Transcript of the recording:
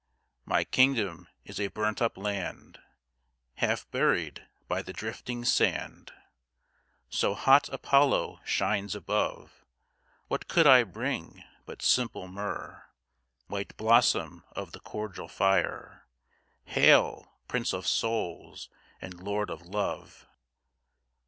My kingdom is a burnt up land Half buried by the drifting sand, So hot Apollo shines above. What could I bring but simple myrrh White blossom of the cordial fire? Hail, Prince of Souls, and Lord of Love!